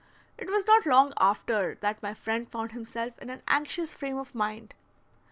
It was not long after that my friend found himself in an anxious frame of mind.